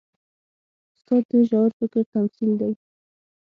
استاد د ژور فکر تمثیل دی.